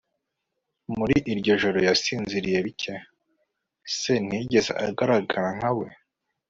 muri iryo joro, yasinziriye bike. se ntiyigeze agaragara nka we